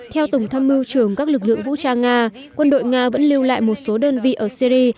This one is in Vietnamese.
theo tổng tham mưu trưởng các lực lượng vũ trang nga quân đội nga vẫn lưu lại một số đơn vị ở syri